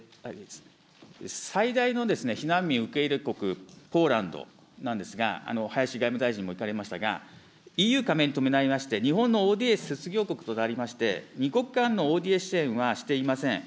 最大の避難民受け入れ国、ポーランドなんですが、林外務大臣も行かれましたが、ＥＵ加盟に伴いまして、日本のＯＤＡ卒業国となりまして、２国間のＯＤＡ支援はしていません。